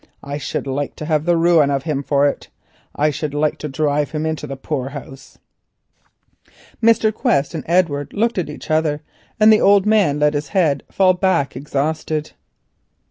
I should like to have the ruining of him for it. I should like to drive him into the poor house." Mr. Quest and Edward looked at each other, and the old man let his head fall back exhausted.